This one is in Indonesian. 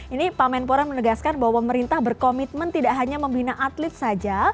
ini pak menpora menegaskan bahwa pemerintah berkomitmen tidak hanya membina atlet saja